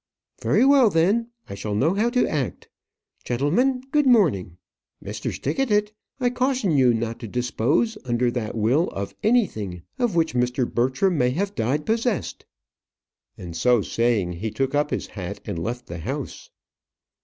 "Very well; then I shall know how to act. Gentlemen, good morning. Mr. Stickatit, I caution you not to dispose, under that will, of anything of which Mr. Bertram may have died possessed." And so saying, he took up his hat, and left the house.